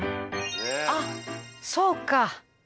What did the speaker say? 「あっそうか！」